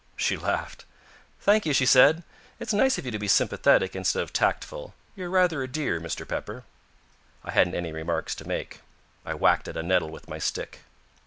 She laughed. "Thank you," she said. "It's nice of you to be sympathetic instead of tactful. You're rather a dear, Mr. Pepper." I hadn't any remarks to make. I whacked at a nettle with my stick.